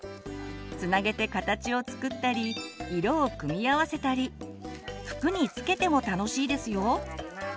つなげて形を作ったり色を組み合わせたり服に付けても楽しいですよ！